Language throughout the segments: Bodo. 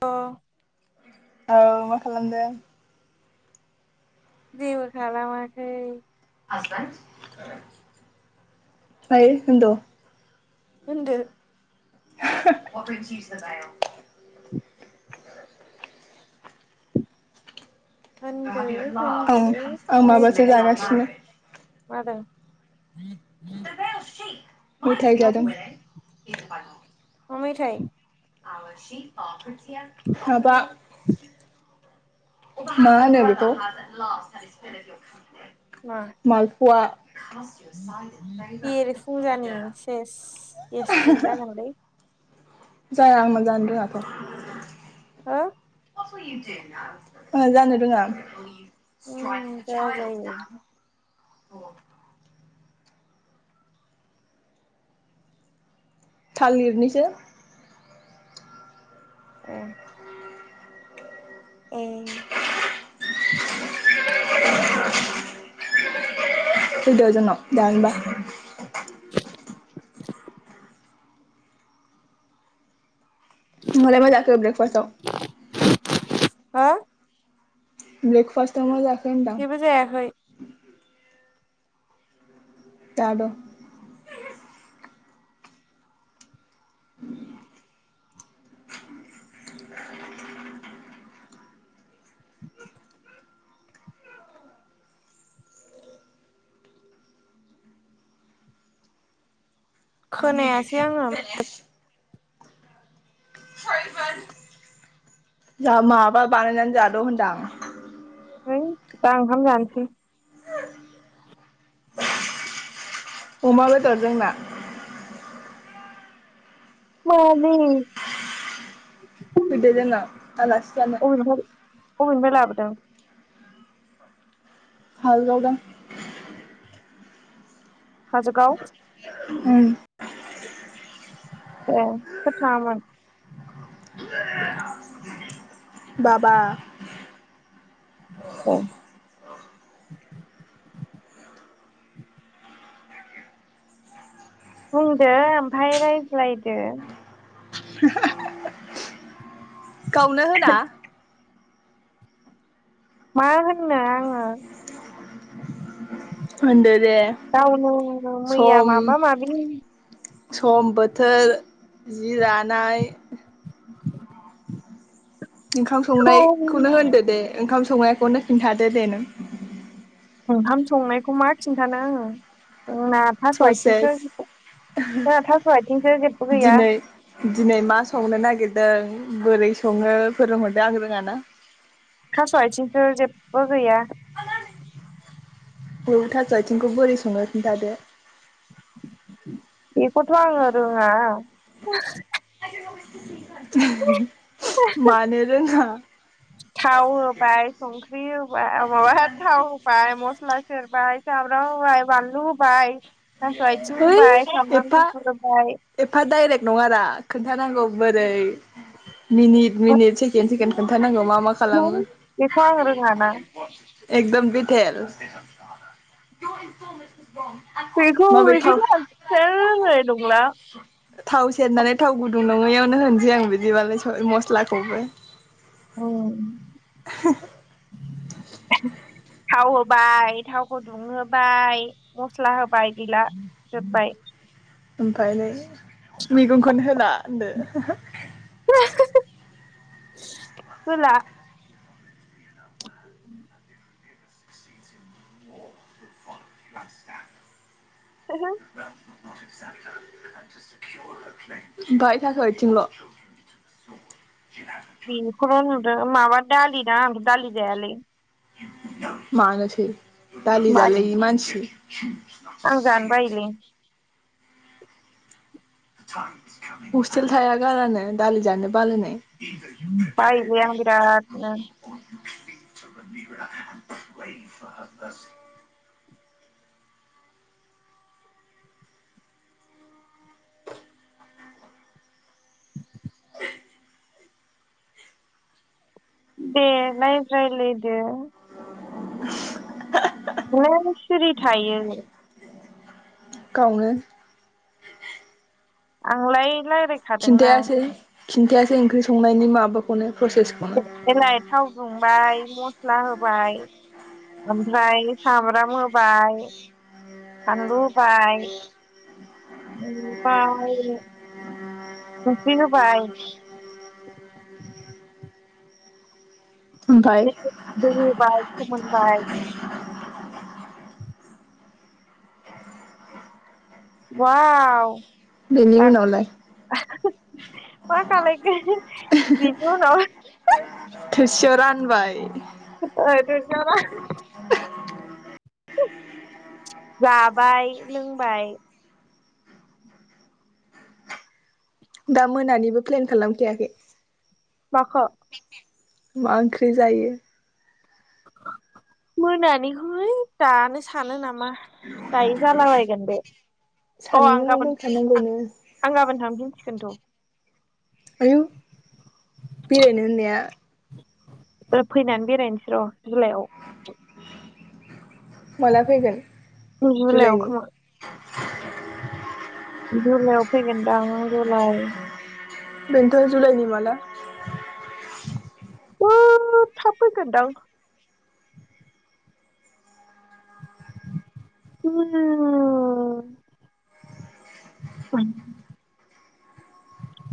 अ औ मा खालामदों जेबो खालामाखै [unintelligible] ओय होनद होनदो [unintelligible] होनदो औ होनदो आं माबासो रायज्लायदो जागासिनो [unintelligible] मेथाइ मा जादों माबा बुसथ [inaudible] मा मेथाय? माबा मा होनो बिखौ? मा मालपुवा बेरे फुंजानि सेस गेस्ट्रिक [unintelligible] जागोनलै जाया आंना जानो रोङाथ हो ओ जानो रोङा उम जाजायो थालिरनिसो ए ओ फैद'जोंनाव जोनोबा [inaudible] नोंहालाय मा जाखो ब्रेकफास्टआव? [unintelligible] हा ब्रेकफास्टआव मा जाखो होनदां जेबो जायाखै दाद' [unintelligible] खोनायासै आङो [unintelligible] जा माबा बानायनानै जाद' होनदां है दा ओंखाम जानोसै। अमा बेदर जोंना। मानि। फैदो जोंनाव आलासि जानो अबेनिफ्राय अबेनिफ्राय लाबोदों? हाल गावदों, हाजोगाव। [unintelligible] ए सोर थाङामोन? बा बा [unintelligible] बुंदो ओमफाय रायज्लायदो। [unintelligible] गावनो होना। मा होननो आङो। होनदो दे गावनो मैया सम, माबा माबिखौ सम बोथोर जि दानाय। ओंखाम संनायखौनो होनदो दे ओंखाम संनायखौनो खिन्थादो दे नों। ओंखाम संनायखौ मा खिन्थानो आङो जोंना, थास' प्रसेस आइथिंसो जों थास' आइथिंसो जेबो गैया। दिनै दिनै मा संनो नागिरदों बोरै सङो फोरोंहरदो आं रोङाना। थास' आइथिंसो जेबो गैया। औ थास' आइथिंखौ बोरै संनो खिन्थादो। बेखौथ' आं रोङा। मानो रोङा। थावहोबाय संख्रिहोबाय माबा थाव। बाय मस्ला सेर बाय सामब्राम होबाय बानलु होबाय, थास' आइथिनि है होबाय सामब्राम एफा गुफुरहोबाय। एफा डाइरेक्ट नङारा खोन्थानांगौ बोरै मिनिट मिनिट सेकेण्ड सेकेण्ड, खोनथानांगौ मा मा खालामो बेखौ आं रोङाना एकदम डिटेल, बेखौ माबे थाव बेखौथ' आङो खोन्थानो रोंनाय नुंला, थाव सेरनानै थाव गुदुं नङैआवनो होनसै आं बिदिबालाय स मस्लाखौबो, औ। थाव होबाय थावखौ दुंहोबाय मस्ला होबाय गैला। जोबबाय। ओमफायो मैगंखौनो होला होनदो। होला। उ [unintelligible] [unintelligible] [inaudible] ओनफाय थास' आइथिंल'। बेखौनो नुदों माबा दालिदा आं दालि जायालै। मानोसै दालि बाय जालायि मानसि। आं जानो बायोलै हस्टेल थाया गारानो दालि जानो बालायनाय बायोलै आं बिरादनो [unintelligible] दे लायरायलायदो [unintelligible] [unintelligible] गावनो आंलाय रायलाय खिन्थायासै खिन्थायासै ओंख्रि संनायनि माबाखौनो प्रसेसखौनो एलाय थाव दुंबाय मस्ला होबाय ओमफ्राय सामब्राम होबाय फानलु होबाय [unintelligible] संख्रि होबाय ओमफाय दै होबाय फोमोनबाय बाव बेनि उनावलाय [unintelligible] थोरसियाव रानबाय [unintelligible] जाबाय लोंबाय दा मोनानिबो प्लेन खालामखायाखै माखौ मा ओंख्रि जायो मोनानिखौ है दानो सानो नामा दायो जालाबायगोन बे अ आं साननो गाबोन दोनखानांगौनो आं गाबोन थांफिनसिगोनथ' आयौ बेरायनो होननाया बे फैनान बेरायनोसै र' जुलाइआव माला फैगोन औ जुलाइयाव जुलाइनि खोमा बिनि उनाव फैगोन दां नों जुलाय बेनथ' जुलाइनि माला [unintelligible] थाब फैगोनदां [unintelligible] [unintelligible]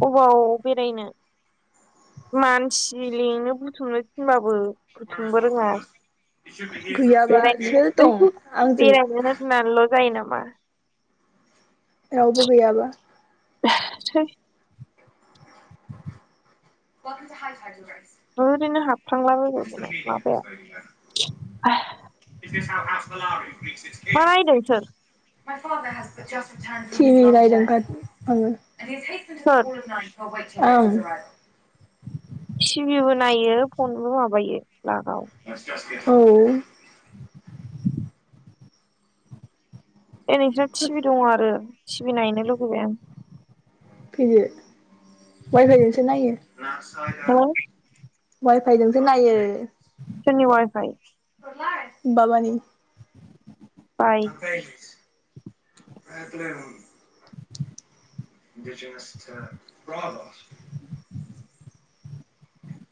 अबाव बेरायनो मानसि लेंनो बुथुमनो थिनबाबो बुथुमबो रोङा बेरायनो गैयाबासो दं [unintelligible] आंजों बेरायनो होननानैल' जायो नामा रावबो गैयाबा [unintelligible] [unintelligible] ओरैनो हाबफ्रांलाबायबाय बेना माबाया नायदों सोर [unintelligible] [unintelligible] सोर ओं टिभिबो नायो फनबो माबायो लागाव औ ए नोंसा टिभि दं आरो टिभि नायनो लुगैबाय आं। फैदो वाइफाय जोंसो नायो आं हो वाइफाइजोंसो नायो। सोरनि वाइफाय? बाबानि। बाय [unintelligible] [unintelligible]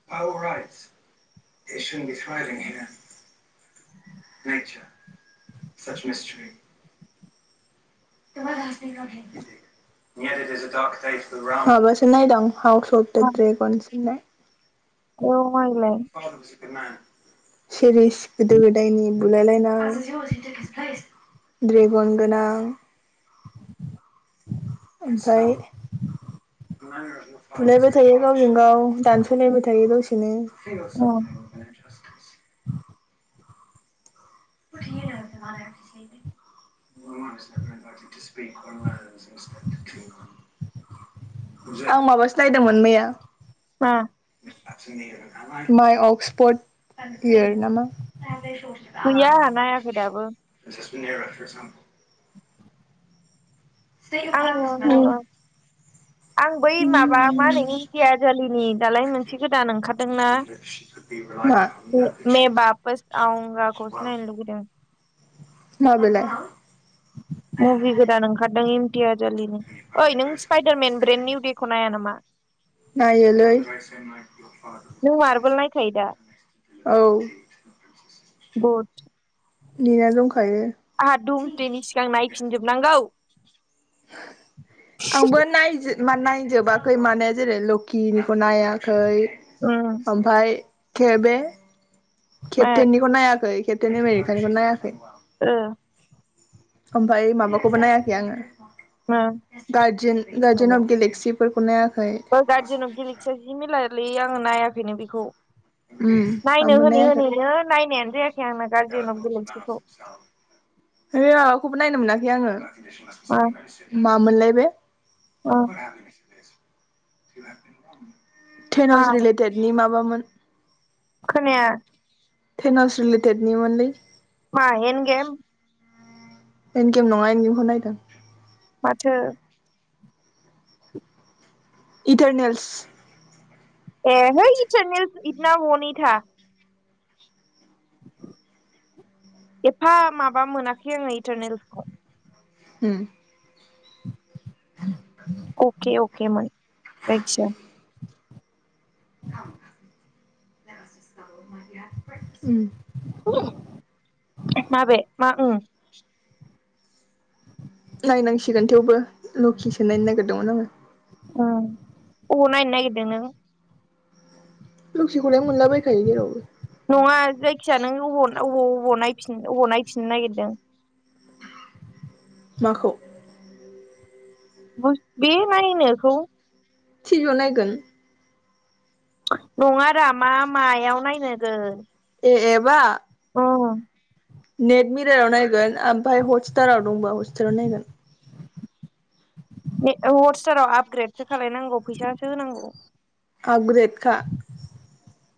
[unintelligible] [unintelligible] [unintelligible] [unintelligible] औ मा एलाय? [unintelligible] सेररिस गोदो गोदायनि बुलायलायनाय ड्रेगन गोनां। [unintelligible] बुलायबाय थायो गावजों गाव दानस'लायबाय थायो दसेनो। [unintelligible] [unintelligible] आं माबासो नायदोंमोन मैया उम माइ अक्सफर्ड इयार नामा? गैया आहा नायाखै दाबो। [unintelligible] आङो [unintelligible] आं बै माबा मा होनो इमटियार जलिनि दालाय मोनसे गोदान ओंखारदों ना? [unintelligible] मा? मे बापस आउगा खौसो नायनो लुगैदों। मा बेलाय? मुभि गोदान ओंखारदों इमटि आजालिनि ओइ नों स्पाइडारमेन ब्रेन्ड निउ खौ नाया नामा? नायोलै। नों मारबोल नायखायो दा? औ बद नेना दंखायो आंहा धुमस्टेनि सिगां नायफिनजोबनांगौ। आंबो नायजो मा नायजोबाखै माने जेरै लोखिनिखौ नायाखै ओम ओमफाय खेर बे मा केप्टेननिखौ नायाखै केटेन आमेरिकानिखौ नायाखै। ओ ओमफाय माबाखौबो नायाखै आङो गारजेन गार्जेन अफ गेलेक्सिफोरखौ नायाखै। गारजेन अफ गेलेक्सिया जि मिलालै आङो नायाखैनो बेखौ। उम नायनो आंबो होनै नायाखै होनैनो नायनायानो जायाखै आंना गारजेन फव गलेकसिखौ। बे माबाखौबो नायनो मोनाखै आङो। मा? मामोनलाय बे अ [inaudible] मा थेन'स रिलेटेड नि माबा मोन। खोनाया। थेन'स रिलेटेडनि मोनलै। मा एन गेम? एनगेम नङा एनगेमखौ नायदों। माथो? इटारनेल्स। ए है इटारनेल इटना वह नही था‌। एफा माबा मोनाखै आङो इटारनेलसखौ। हम अके अके मोन जायखिया। [inaudible] ओम माबे मा ओम? नायनांसिगोन थेवबो लकिसो नायनो नागिरदोंमोन आङो। ओम, अबाव नायनो नागिरदों नों? लखिखौलाय मोनलाबायखायो जेरावबो। नङा जायखिजाया नों अबाव अबाव अबाव नायफिन अबाव नायफिननो नागिरदों? माखौ? बे नायनायखौ। टिभि याव नायगोन। नङारा मा मायाव नायनो गोन। ए एबा? उम नेट मिरायाव नायगोन ओमफ्राय हटस्टाराव दंबा हटस्टाराव नायगोन। हटस्टाराव आपग्रेदसो खालायनांगौ फैसासो होनांगौ। आबग्रेडखा।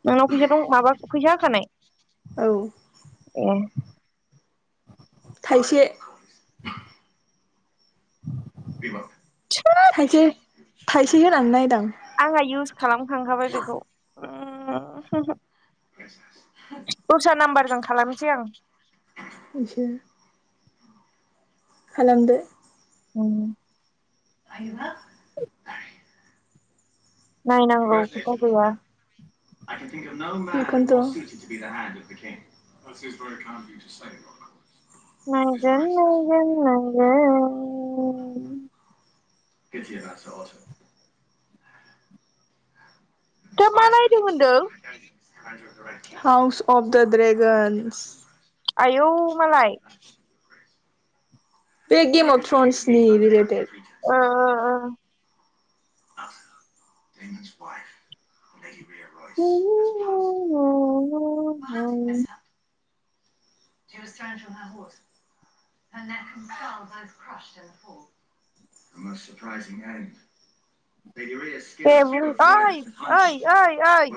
नोंनाव फैसा दं माबा फैसा होखानाय? औ ए थाइसे। थाइसे थाइसे होनानै नायदों। आंहा इउस खालामखांखाबाय बेखौ। दस्रा नाम्बारजों खालामनोसै आं। इसो खालामदो। उम [inaudible] नायनांगौ खोथा गैया। इखोनथ'। [inaudible] [inaudible] [inaudible] दा मा नायदों होनदों [inaudible] आयौ मालाय। बे गेम अफ थ्रन्सनि नि रिलटेड। ओ ओ ओ। [inaudible] [inaudible] [inaudible] [inaudible] दे बुंओइ ओइ ओइ ओइ।